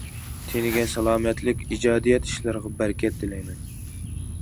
تېنىگە سالامەتلىك، ئىجادىيەت ئىشلىرىغا بەرىكەت تىلەيمەن.